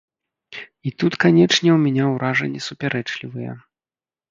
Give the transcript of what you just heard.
І тут, канечне, у мяне ўражанні супярэчлівыя.